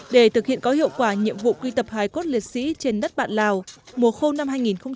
để thực hiện có hiệu quả nhiệm vụ quy tập hai cốt liệt sĩ trên đất bạn lào mùa khô năm hai nghìn một mươi bảy hai nghìn một mươi tám